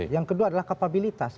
yang kedua adalah kapabilitas